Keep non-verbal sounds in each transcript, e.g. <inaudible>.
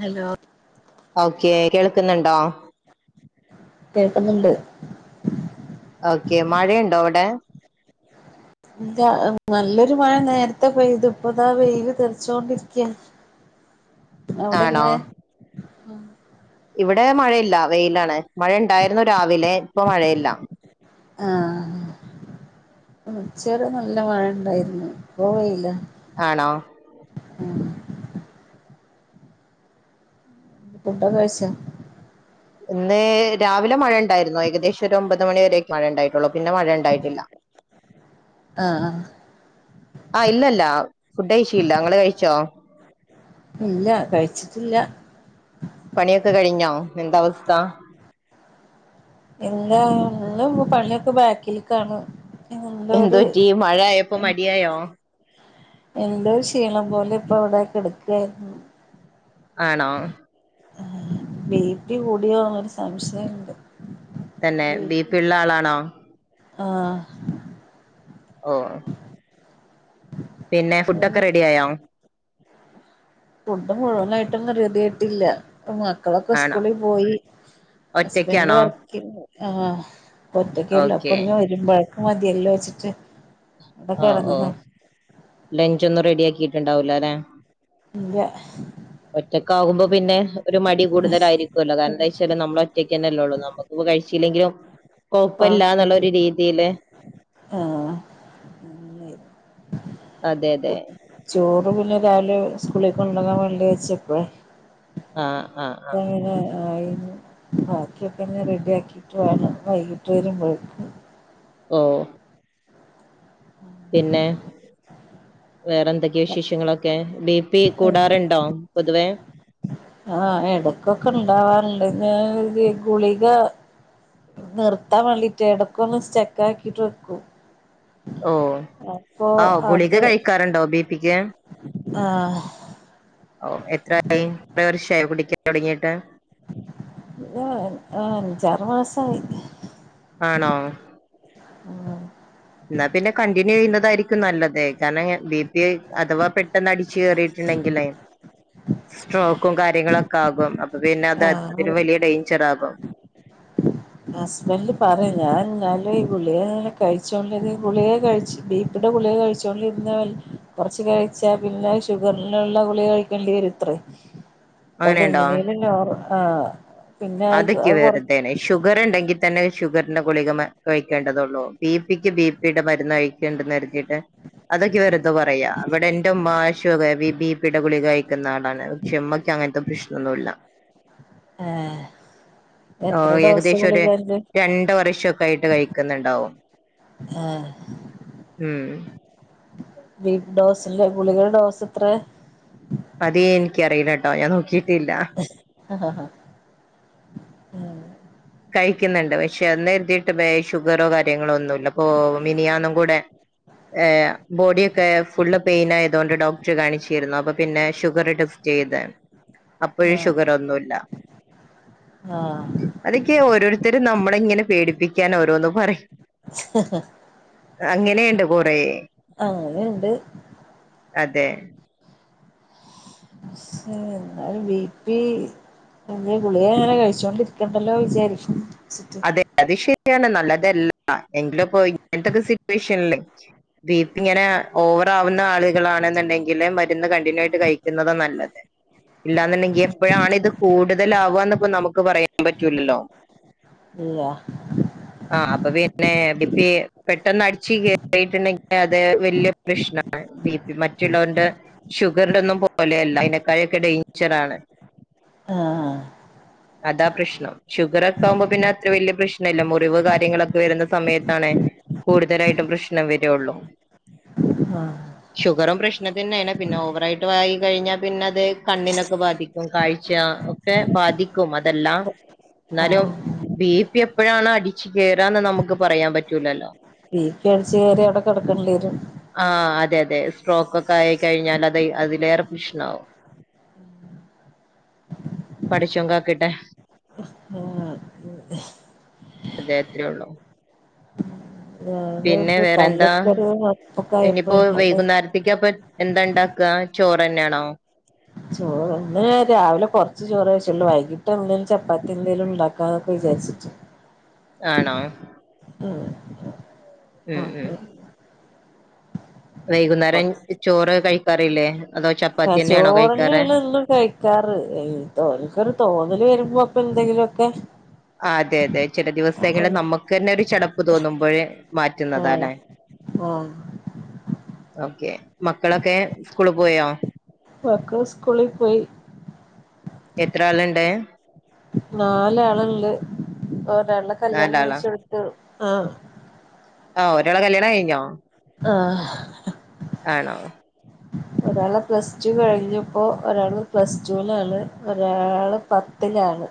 Hello okay. കേൾക്കുന്നുണ്ടോ? കേൾക്കുന്നുണ്ട്. Okay. മഴയുണ്ടോ അവിടെ. ഇല്ല. നല്ലൊരു മഴ നേരത്തെ പെയ്ത്. ഇപ്പതാ വെയില് തെറിച്ചൊണ്ടിരിക്കാ. <inaudible> ഔടെ ആണോ ങ്ങനെ? ഇവിടെ മഴയില്ല. വെയിലാണ്. മഴ ണ്ടായിരുന്നു രാവിലെ. ഇപ്പൊ മഴയില്ല. ആഹ് ഉച്ചവരെനല്ല മഴ ണ്ടായിരുന്നു. ഇപ്പൊ വെയില. ആണോ. ആഹ് ഫുഡോ ക്കെ കഴിച്ച. ഇന്ന് രാവിലെ മഴ ണ്ടായിരുന്നു. ഏകദേശം ഒരു ഒമ്പത് മണിവരെ മഴ ണ്ടായിട്ടുള്ളു. പിന്നെ മഴ ണ്ടായിട്ടില്ല. ആഹ് ആഹ് ഇല്ലല്ല ഫുഡ് കഴിച്ചില്ല ഇങ്ങള് കഴിച്ചോ ഇല്ല കഴിച്ചിട്ടില്ല പണിയൊക്കെ കഴിഞ്ഞോ എന്ത അവസ്ഥ ഇല്ല എല്ലാ ഇപ്പ പണിയൊക്കെ ബാക്കിൽ ക്കാണ് എന്തോപറ്റി മഴയായപ്പോ മടിയായോ എന്തോ ക്ഷീണം പോലെ ഇപ്പ അവിടെ കെടക്കയായിരുന്നു ആണോ ബി പി കൂടിയോന്നൊരു സംശയമുണ്ട് തന്നെ ബി പി ഉള്ള ആളാണോ ആഹ് ഓഹ് പിന്നെ ഫുഡ് ഒക്കെ റെഡിയായോ ഫുഡ് മുഴുവനായിട്ട് ഒന്നും റെഡിയായിട്ടില്ല ഇപ്പൊ മക്കളൊക്കെ ആണോ സ്കൂളി പോയി ഹസ്ബന്റ് ഒറ്റയ്ക്കാണോ വർക്കിന് പോയി ആഹ് ഒറ്റക്കുള്ളൂ ഓക്കെ അപ്പൊ ഇനി വരുമ്പോഴേക്കും മതിയല്ലോ വെച്ചിട്ട് ഇവിടെ ആഹ് ഓഹ് കിടന്നതാ ലഞ്ച് ഒന്നും റെഡി ആക്കിട്ടുണ്ടാവൂലലെ ഇല്ല ഒറ്റക്കാകുമ്പോ പിന്നെ ഒരു മടി കൂടുതലായിരിക്കുവല്ലോ കാരണം എന്താ വെച്ചാല് നമ്മള് ഒറ്റക്കന്നല്ലേള്ളൂ നമുക്കിപ്പ കഴിച്ചില്ലെങ്കിലും കൊഴപ്പല്ല എന്നുള്ള ഒരു രീതിയില് <unintelligible> ആഹ് അതെ അതെ ചോറ് പിന്നെ രാവിലെ സ്കൂളിൽ കൊണ്ടുകാൻ വേണ്ടി വെച്ച് വെക്കുവെ ആഹ് ആഹ് ആഹ് അങ്ങന ആയിരുന്നു ബാക്കിപിന്നെ റെഡി ആക്കിട്ട് വേണം വൈകീട്ട് വരുമ്പോഴേകിനും ഏഹ് പിന്നെ വേറെന്തൊക്കെയ വിശേഷങ്ങളൊക്കെ ബി പി കൂടാറുണ്ടോ പൊതുവേ ആഹ് എടക്കൊക്കെ ഇണ്ടാവാറുണ്ട് <unintelligible> ഗുളിക നിർത്താൻ വേണ്ടീറ്റെ ഇടക്ക് ഒന്ന് സ്റ്റക് ആക്കിട്ട് വെക്കും ഓഹ് അപ്പൊ ആഹ് ഗുളിക അത് കഴിക്കാറുണ്ടോ ബി പി ക്ക് ആഹ് ഓഹ് എത്രായി എത്ര വർഷവായി കുടിക്കാൻ തുടങ്ങിയിട്ട് ആഹ് അഞ്ചാറു മാസമായി ആണോ ഉം എന്നാ പിന്നെ കണ്ടിന്യൂ ചെയ്യുന്നതായിരിക്കും നല്ലതേ കാരണം ബി പി അഥവാ പെട്- ട്ടെന്ന് അടിച്ചു കയറിയിട്ടുണ്ടെങ്കിലേ സ്ട്രോക്കും കാര്യങ്ങളൊക് ക്കാകും അപ്പൊ പിന്നെ അത് ആഹ് അതിലും വലിയ ഡെയിഞ്ചർ ആകും ഹസ്ബന്റ് പറയും ഞാൻ എന്നാല് ഈ ഗുളിയെങ്ങനെ കഴിച്ചോണ്ട്ത്ഈ ഗുളിയെ കഴിച്ചു ബി പിയുടെ ഗുളിക കഴിച്ചുകൊണ്ടിരുന്നാൽ കുറച്ച് കഴിച്ചാൽ പിന്നെ ഷുഗറിനുള്ള കുളിക കഴിക്കേണ്ടി വരുത്രേ <inaudible> അതെങ്ങനേലും നോർ ആഹ് പിന്നെ അത് അതൊക്കെ അത് കൊറ വെർതെയാണെ ഷുഗർ ഉണ്ടെങ്കിൽ തന്നെ ഷുഗറിന്റെ ഗുളിക കഴിക്കേണ്ടതുള്ളൂ ബി പിക്ക് ബി പി ടെ മരുന്ന് കഴിക്കണ്ടന്ന്റിഞ്ഞിട്ട് അതൊക്കെ വെറുതെ പറയാ ഇവിടെ എന്റുമ്മ ബി പിടെ ഗുളികകഴിക്കുന്ന ആളാണ് ഷെ മ്മെയ്ക്കങ്ങൻത്തെ പ്രശ്നൊന്നുല്ലാ ഏഹ് എത്ര ഓഹ് ഡോസ് ഏകെദേശാെര് ഗുളികണ്ട് രണ്ട് വർഷാെക്കായ്ട്ട് കഴിക്ക്ന്ന്ണ്ടാവും ആഹ് ഊം വെയ്ക് ഡോസെല്ലേ ഗുളികള ഡോസെത്ര അത് എൻക്കറീലാട്ടോ ഞാൻ നോക്കീട്ടില്ലാ ആഹ് ആഹ് ഉം കഴിക്ക്ന്ന്ണ്ട് പക്ഷെ അന്ന് കര്തീട്ട് വേ ഷുഗറോ കാര്യങ്ങളോ ഒന്നുല്ലാ പ്പാേ മിനിയാന്നും കൂടെ ഏഹ് ബോഡിയൊക്കെ ഫുള്ള് പെയ്നായത് കൊണ്ട് ഡോക്ടറെ കാണിച്ചീര്ന്നു അപ്പൊ പിന്നേ ഷുഗെറ് ടെസ് സ്റ്റെയ്ത് അപ്പഴും ആഹ് ഷുഗെറൊന്നുല്ലാ ആഹ് അത്ക്കെ ഓരോരുത്തരും നമ്മളെ ഇങ്ങെനെ പേടിപ്പിക്കാൻ ഓരോന്ന് പറയും അങ്ങെനേണ്ട് കൊറേ അങ്ങെനേണ്ട് അതെ ഷെ ന്നാലും വീ പി പിന്നേം ഗുളികെങ്ങെനെ കഴ്ച്ചോണ്ടിരിക്കണ്ടല്ലോ വിചാരിക്കും അതെ അത് ശരിയാണ് നല്ലതെല്ലാ എങ്കിലും പ്പോ ഇങ്ങെൻത്താെക്കെ സിറ്റുവേഷൻല് ബീ പ്പി ങ്ങെനെ ഓവറാവുന്ന ആള്കളാണ്ന്ന്ണ്ടെങ്കില് മ ര്ന്ന് കണ്ടിന്യൂ ആയ്ട്ട് കഴിക്ക്ന്നതാ നല്ലെത് ഇല്ലാന്ന്ണ്ടെങ്കി എപ്പഴാണ് ഇത് കൂട്തലാവാന്ന്പ്പം നമുക്ക് പറയാം പറ്റൂലല്ലോ ഇല്ലാ ആഹ് അപ്പ പിന്നെ ബീ പ്പി പെട്ടെന്ന് അടിച്ച് കേറീട്ട്ണ്ടെങ്കി അത് വെല്യാെര് പ്രശ്നാണ് ബീ പി മറ്റുള്ളോണ്ട് ഷുഗറ്തൊന്നും പോലെയല്ലാ അയ്നെക്കായൊക്കെ ഡെയ്ഞ്ചറാണ് ആഹ് ആഹ് അതാ പ്രശ്നം ഷുഗറെക്കെ ആവുമ്പ പിന്നെ വെല്യ പ്രശ്ന ഇല്ലാ മുറിവ് കാര്യങ്ങളൊക്കെ വെര്ന്ന സമയത്താണെ കൂട്തലായ്ട്ടും പ്രശ്നം വെരാെള്ളു ആഹ് ഷുഗെറും പ്രശ്നം തന്നേണ് പിന്നെ ഓവറായ്ട്ട് വായി കഴിഞ്ഞാ പിന്നെ അത് കണ്ണിനൊക്കെ ബാധിക്കും കാഴ്ച്ചാ ഒ ക്കെ ബാധിക്കും അതെല്ലാം ന്നാലും ആഹ് ബീ പി എപ്പഴാണ് അടിച്ച് കേറാന്ന് നമുക്ക് പറയാം പറ്റൂലല്ലോ ബീ പി അടിച്ച് കയറ്യാ അവിടെ കെടക്കെണ്ടി വെരും ആഹ് അതെ അതെ സ്ട്രോക്കാെക്കായി കഴിഞ്ഞാലത് അതിലേറെ പ്രശ്നാവും പഠച്ചോൻ കാക്കെട്ടെ ആഹ് ഉം അതെ അത്രാെള്ളും പിന്നെ ഞാനിപ്പോ വേറെ എന്താ പല്ലക്കൊരു കപ്പൊക്കെ ഇനിയിപ്പോ ആയപ്പോഴേ അവിടെ വെയ്കുന്നാര്ത്തേക്കപ്പം എന്താണ്ടാ ക്കാ ചോറെന്നേണോ ചോറ് ഇന്ന് രാവിലെ കൊറ്ച്ച് ചോറെ വെച്ച്ട്ടൊള്ളൂ വൈകിട്ട് എന്തേലും ചപ്പാത്തി എന്തേലുംണ്ടാ ക്കാന്നൊക്കെ വിചാര്ച്ച്ട്ട് ആണോ ഉം ഉം ഉം അപ്പൊ വൈകുന്നേരം കൊറച്ച് ചോറ് കഴിക്കാറില്ലേ അതോ ക ചപ്പാത്തി തന്നെയാണോ ചോറ് ന്ള്ളെ കഴിക്കാറ് എന്നും കഴി ക്കാറ് തോനക്കൊരു തോന്നൽ വരുമ്പോ അപ്പൊ എന്തെങ്കിലുമ ഒക്കെ അതെ അതെ ചില ദിവസങ്ങിൽ നമുക്ക് തന്നെ ഒരു ചടപ്പ് തോന്നുമ്പോഴ മാറ്റുന്നതാ അല്ലേ ആഹ് ഓക്കെ മക്കളൊക്കെ സ്കൂള് പോയോ മക്കള് സ്കൂളി പോയി എത്ര ആള് ണ്ട് നാലാളുണ്ട് ഒരാളെ കല്യാണം നാലാളാ കഴിച്ച കൊടുത്തു ആ ആഹ് ഒരാളെ കല്യാണം കഴിഞ്ഞോ ആഹ് ആണോ ഒരാളെ പ്ലസ് ടു കഴിഞ്ഞ്പ്പോ ഒരാള് പ്ലസ് ടു വിലാണ് ഒരാള് പത്തിലാണ്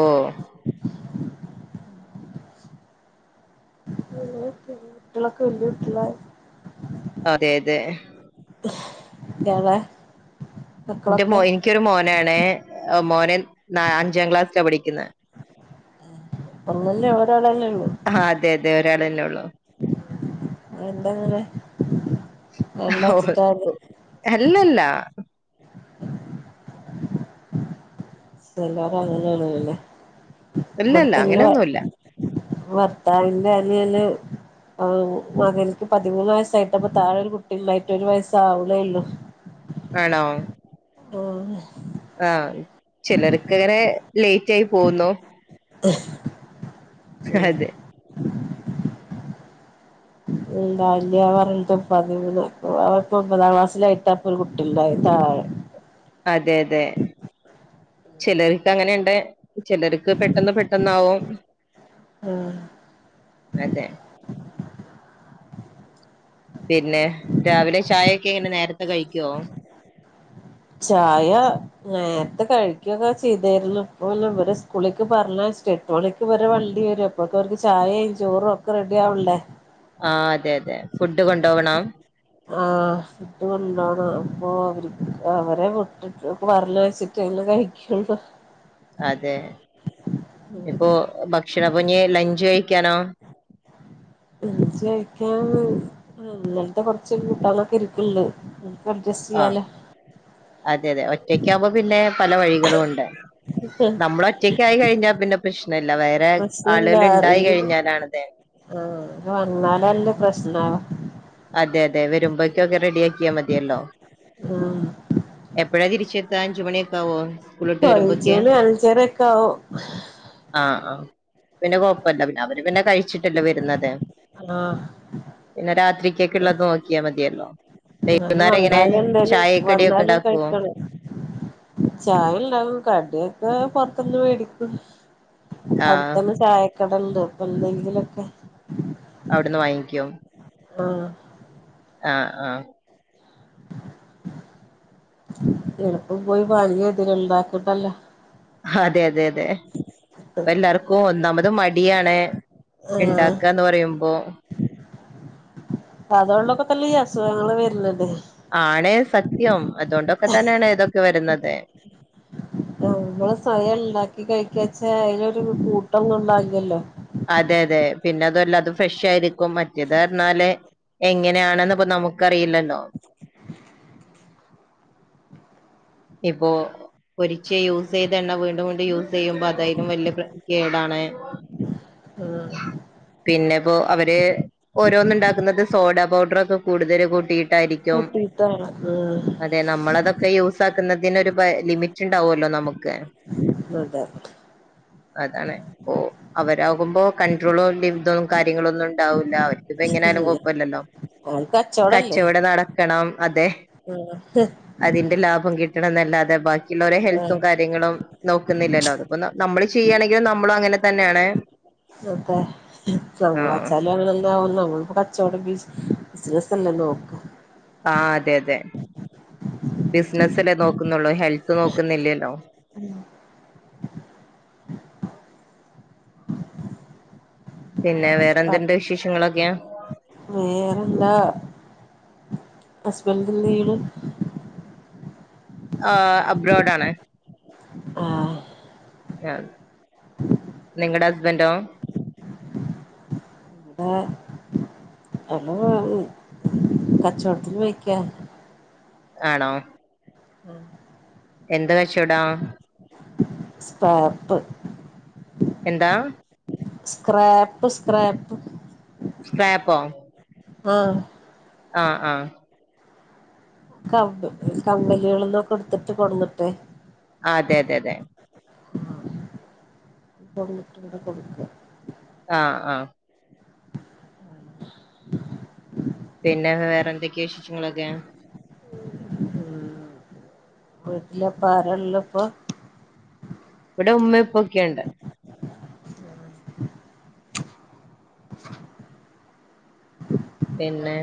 ഓഹ് അ പി കുട്ടികളൊക്കെ വല്യ കുട്ട്യാളായി അതെ അതെ ഇയാളെ എന്റെ മോ മക്കളൊക്കെ എനിക്കൊരു മോനാണ് മോനെ നാ അഞ്ചാം ക്ലാസ്സില പഠിക്കുന്നെ ഒന്നല്ലേ ഒരാളെല്ലേ ഉള്ളൂ ആഹ അതെ അതെ ഒരാൾ അല്ലെ ഉള്ളൂ. എന്തങ്ങനെ. അല്ലല്ല. ഇപ്പ എല്ലാരും അങ്ങനെയാണലാെല്ലെ ഇല്ലല്ല ഇവിടത്തെ ഇന്റെ അങ്ങനെയൊന്നുല്ല ഭർത്താവിന്റെ അനിയന് ആ മകനിക്ക് പതിമൂന്ന് വയസായിട്ടപ്പൊ താഴെരു കുട്ടിണ്ടായിട്ടൊ ഒരു വയസ്സാവ്ണോളളു. ആണോ ആഹ് ആഹ് ചിലർക്ക്ങ്ങനെ ലേറ്റ് ആയി പോകുന്നു. <unintelligible> അതെ ഉണ്ടാവില്ല എന്ന് പറഞ്ഞിട്ട് പതിപ്പ ഒമ്പതാം ക്ലാസിലായിട്ടപ്പൊ ഒരു കുട്ടിണ്ടായി താഴെ. അതെ അതെ ചിലർക്ക് അങ്ങനെയുണ്ട്. ചിലർക്ക് പെട്ടെന്ന് പെട്ടെന്നാവും. ആഹ് അതെ പിന്നെ രാവിലെ ചായൊക്കെ എങ്ങനെ നേരത്തെ കഴിക്കോ ചായ നേരത്തെ കഴിക്കുക്കെ ചെയ്തായിരുന്നു ഇപ്പ വരെ സ്കൂളിലക്ക് പറഞ്ഞെയചിട് എട്ട് മണിക്ക് ഇവരെ വണ്ടി വരും അപ്പഴൊക്കു അവർക്ക് ചായിം ചോറും ഒക്കെ റെഡി ആവണ്ടെ ആ അതെ അതെ ഫുഡ് കൊണ്ടു വണം. ആഹ് ഫുഡ് കൊണ്ടാണം അപ്പൊ അവർ. അവരെ വിട്ടിട്ട് പറഞ്ഞയച്ചിട്ട് പിന്നെ കഴിക്കുള്ളു. അതെ ഇപ്പൊ ഭക്ഷണ പഞ്ഞ് ലഞ്ച് കഴിക്കാനോ. ലഞ്ച് കഴിക്കാൻ ഇനലത്തെ കൊറച്ച് കൂട്ടന്നൊക്കെ ഇരിക്ക്ണ്ട്. അട്ജസ്റ്റ് ആ ചൊയ്യാലോ അതെ അതെ ഒറ്റക്കാകുമ്പോ പിന്നെ പല വഴികളും ഉണ്ട്. <unintelligible> നമ്മള് ഒറ്റക്ക് ആയി കഴിഞ്ഞാൽ പിന്നെ പ്രശ്നമില്ല. വേറെ പ്രശ്നല്ല ആളുകൾ ഉണ്ടായി ആരെങ്കിലും കഴിഞ്ഞാലാണ്ലേ ആഹ് അത് വന്നാലല്ലേ പ്രശ്നം അതെ അതെ വരുമ്പോഴേക്കൊക്കെ റെഡിയാക്കിയാ മതിയല്ലോ? ആഹ് എപ്പോഴാ തിരിച്ചെത്ത അഞ്ച് മണിയൊക്ക ആവോ? സ്കൂളിട്ട് അഞ്ച് വരുമ്പോഴേക്ക് മണി അഞ്ചരക്കൊ ആവും ആഹ് ആ പിന്നെ കൊഴപ്പല്ല പിന്നെ അവര് പിന്നെ കഴിച്ചിട്ടല്ലേ വരുന്നത് ആഹ് പിന്നെ രാത്രികേക്ക് ഉള്ളത് നോക്കിയാ മതിയല്ലോ എന്നാലും വൈകുന്നേരം എങ്ങനെ വന്നാലും എന്തേലും ചായക്കടിയ ഒക്കെ വന്നാലും ഉണ്ടാക്കുവൊ കഴിക്കണം ചായ ഉണ്ടാവും കടിയൊക്കെ പോറത്ത്ന്ന് മേടിക്കും. ആ അടുത്തന്നെ ചായക്കട ഉണ്ട് അപ്പൊ എന്തെങ്കിലുമൊക്കെ അവിടുന്ന് വാങ്ങിക്കും ആഹ് ആഹ് ആഹ് എളുപ്പം പോയി വങ്ങിയാ മതിയല്ലോ ഉണ്ടാക്കണ്ടല്ലോ അതെ അതെ അതെ എല്ലാർക്കും ഒന്നാമത് മടിയാണ് ഉണ്ടാക്കാ എന്ന് പറയുമ്പോ അതോണ്ടൊക്കെ തന്നെ ഈ അസുഖങ്ങള് വരുന്നത് ആണേ സത്യം. അതുകൊണ്ടൊക്കെ തന്നെയാണ് ഇതൊക്കെ വരുന്നത്. ആ നമ്മള് സ്വയം ഉണ്ടാക്കി കഴിക്കാച്ചാൽ അതിലൊരു കൂട്ടം ന്നും ടള്ളാല്ലോ. അതെ അതെ പിന്നെ അതും അല്ലാ അത് ഫ്രഷ് ആയിരിക്കും. മറ്റേത് പറഞ്ഞാല് എങ്ങനെയണെന്ന് പ്പൊ നമുക്കറിയില്ലല്ലോ ഇപ്പോ ഒരിക്കെ യൂസ് ചെയ്ത അല്ല വീണ്ടും വിണ്ടും യൂസ് ചെയ്യുമ്പോ അത് അയിലും വല്യ പ്ര കേടാണ് ആഹ് പിന്നെപ്പോ അവര് ഓരോന്ന് ഉണ്ടാക്കുന്നത് സോഡാ പൗഡറോക്കെ കൂടുതൽ കൂട്ടിയിട്ടായിരി കൂട്ടിയിട്ടാണ് ആഹ് തെ നമ്മളതൊക്കെ യൂസാക്കുന്നതിനൊരു പ ലിമിറ്റ് ഉണ്ടാവോല്ലോ നമുക്ക് അതെ അതാണ് ഓ അവരാകുമ്പോ കൺണ്ട്രോളോ ലി വിതൊന്നും കാര്യങ്ങളൊന്നും ഉണ്ടാവൂല്ല അവർ ഇത്പ്പ എങ്ങനെയാലും കുഴപ്പല്ലല്ലോ അത് കച്ചോടല്ലേ കച്ചവടം നടക്കണം അതെ ആഹ് അതിന്റെ ലാഭം കിട്ടണം എന്നല്ലാതെ ബാക്കിള്ളോരെ ഹെൽത്തും ആഹ് കാ ര്യങ്ങളും നോക്കുന്നില്ലല്ലോ അത്പ്പ ന നമ്മള് ചെയ്യുകയാണെങ്കിലും നമ്മള് അങ്ങനെ തന്നെയാണ് <unintelligible> ആഹ് വച്ചാലും അങ്ങ ആവും നമ്മളിപ്പോ കച്ചവടം ബ ബിസിനസ്സല്ലല്ലോ ആ അതെ അതെ ബിസിനസ്സല്ലേ നോക്കുന്നോള്ളൂ ഹെൽത്ത് നോക്കുന്നില്ലല്ലോ പിന്നെ വേറെന്ത്ണ്ട് വിശേഷങ്ങളൊക്കെയാ വേറെന്താ ഹസ്ബൻഡ് എന്തെയ്യ്ണ് ആഹ് അബ്രോഡ് ആണ് ആഹ് ആഹ് നിങ്ങടെ ഹസ്ബൻ്റോ ആഹ് എല്ല മാറി കച്ചോടത്തിന് പോയക്കാ ആണോ? ഉ എന്ത് കച്ചോടാ സ്പാർപ്പ് എന്താ? സ്ക്രാപ്പ് സ്ക്രാപ്പ് സ്ക്രാപ്പോ ആഹ് ആഹ് ആഹ് കമ്പ് കമ്പനികളിന്നൊക്കെ ഇട്ത്തിട്ട് കൊടന്നിട്ടെ അതെ തെ തെ <inaudible> ആഹ് ആഹ് പിന്നെ വേറെന്തൊക്കെ വിശേഷങ്ങളൊക്കെ <inaudible> വീട്ടിലിപ്പോ ആരാ ള്ള്പ്പൊ ഇവിടെ ഉമ്മ ഉപ്പൊക്കെണ്ട് പിന്നെ